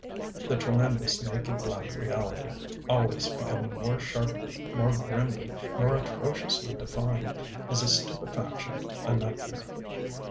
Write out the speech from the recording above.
The tremendous naked black reality, always becoming more sharply, more grimly, more atrociously defined, is a stupefaction, a nightmare....